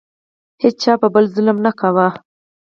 هیچا په بل ظلم نه کاوه.